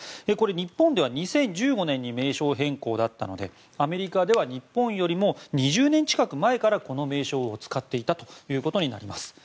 日本では２０１５年に名称変更だったのでアメリカでは日本よりも２０年近く前からこの名称を使っていたということになります。